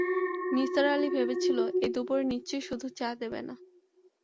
নিসার আলি ভেবেছিলেন, এই দুপুরে নিশ্চয়ই শুধু চা দেবে না!